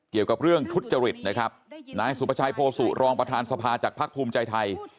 เกี่ยวกับเรื่องทุจริตนะครับนายสุประชัยโพสุรองประธานสภาจากภักดิ์ภูมิใจไทย